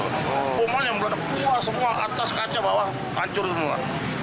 hukuman yang belum keluar semua atas kaca bawah hancur semua